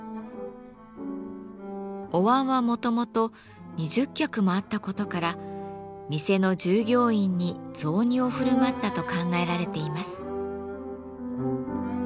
お椀はもともと２０客もあった事から店の従業員に雑煮を振る舞ったと考えられています。